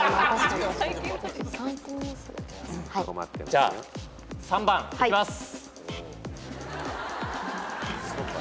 じゃあ３番いきます。